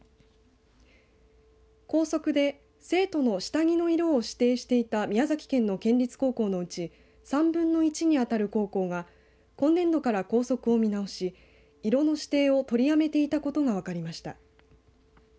校則で生徒の下着の色を指定していた宮崎県の県立高校のうち３分の１に当たる高校が今年度から校則を見直し色の指定を取りやめていたことが分かりました。